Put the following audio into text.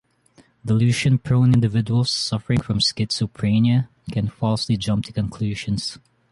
Delusion-prone individuals suffering from schizophrenia can falsely jump to conclusions.